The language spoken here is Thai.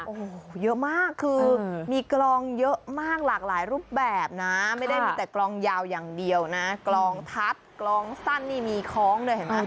โอ้โหเยอะมากคือมีกลองเยอะมากหลากหลายรูปแบบนะไม่ได้มีแต่กลองยาวอย่างเดียวนะกลองทัศน์กลองสั้นนี่มีคล้องเลยเห็นไหม